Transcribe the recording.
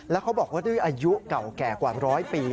แล้วเขาบอกว่าด้วยอายุเก่าแก่กว่าร้อยปี